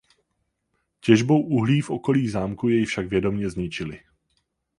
Těžbou uhlí v okolí zámku jej však vědomě zničili.